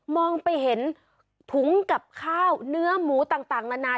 มองไปเห็นถุงกับข้าวเนื้อหมูต่างนานา